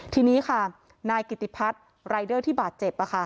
ทีนี้ค่ะนายกิติพัฒน์รายเดอร์ที่บาดเจ็บ